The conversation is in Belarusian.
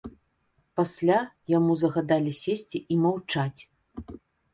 Пасля яму загадалі сесці і маўчаць.